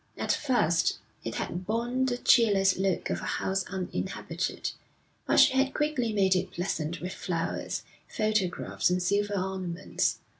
At first it had borne the cheerless look of a house uninhabited, but she had quickly made it pleasant with flowers, photographs, and silver ornaments.